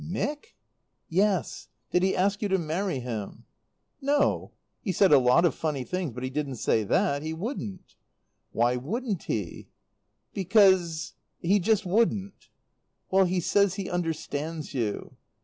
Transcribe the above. "Mick?" "Yes. Did he ask you to marry him?" "No. He said a lot of funny things, but he didn't say that. He wouldn't." "Why wouldn't he?" "Because he just wouldn't." "Well, he says he understands you."